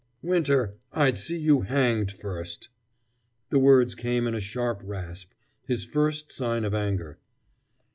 "Winter, I'd see you hanged first!" The words came in a sharp rasp his first sign of anger.